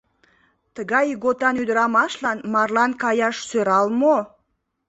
Тыгай ийготан ӱдырамашлан марлан каяш сӧрал мо?